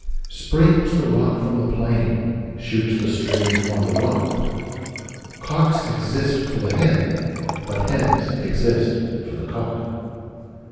Springs the rock from the plain, shoots the stream from the rock: Cocks exist for the hen: but hens exist for the cock.